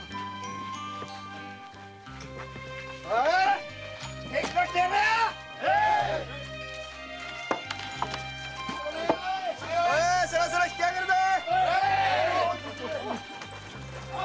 オ−ィそろそろ引き上げるぜ！